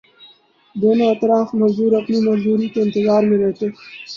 دونوں اطراف مزدور اپنی مزدوری کے انتظار میں رہتے